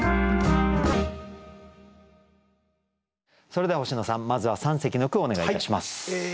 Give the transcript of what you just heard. それでは星野さんまずは三席の句をお願いいたします。